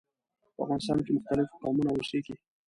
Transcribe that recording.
په افغانستان کې مختلف قومونه اوسیږي.